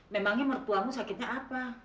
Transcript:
memangnya mertuamu sakitnya apa